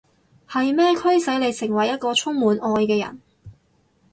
係咩驅使你成為一個充滿愛嘅人？